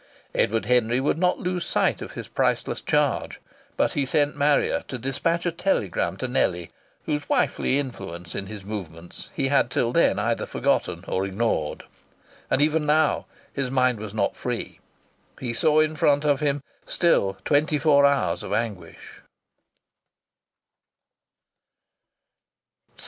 Edward Henry would not lose sight of his priceless charge, but he sent Harrier to despatch a telegram to Nellie, whose wifely interest in his movements he had till then either forgotten or ignored. And even now his mind was not free. He saw in front of him still twenty four hours of anguish.